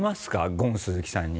ゴン鈴木さんに。